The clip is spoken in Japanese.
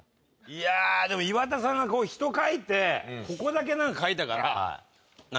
いやでも岩田さんが人描いてここだけ何か描いたから。残念！